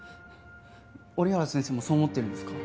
折原先生もそう思ってるんですか？